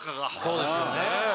そうですよね。